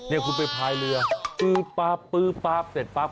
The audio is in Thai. นี่คุณไปพายเรือปื๊บปั๊บปื๊บปั๊บเสร็จปั๊บ